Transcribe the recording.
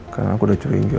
karena aku udah curing dia